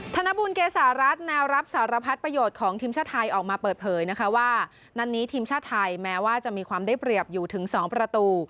ธนบุญเกษารัฐแนวรับสารภาพของทีมชาติไทยออกมาเปิดเผยนะคะว่านัดนี้ทีมชาติไทยแม้ว่าจะมีความได้เปรียบอยู่ถึง๒ประตู